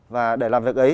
và để làm việc ấy